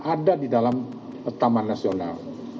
ada di dalam taman nasional